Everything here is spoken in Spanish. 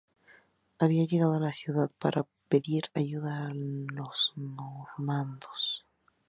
Había llegado a la ciudad para pedir ayuda a los normandos.